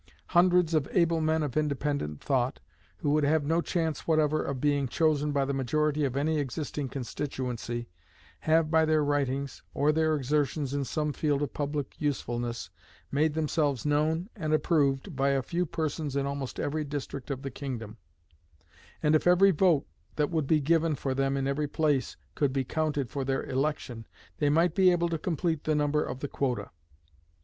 Hundreds of able men of independent thought, who would have no chance whatever of being chosen by the majority of any existing constituency, have by their writings, or their exertions in some field of public usefulness, made themselves known and approved by a few persons in almost every district of the kingdom; and if every vote that would be given for them in every place could be counted for their election, they might be able to complete the number of the quota.